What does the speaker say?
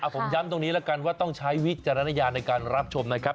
ผมย้ำตรงนี้แล้วกันว่าต้องใช้วิจารณญาณในการรับชมนะครับ